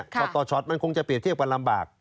ต่อช็อตมันคงจะเปรียบเทียบกันลำบาก